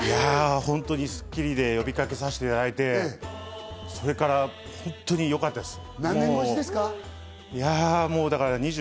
ほんとに『スッキリ』で呼びかけさせていただいて、ほんとによかったです。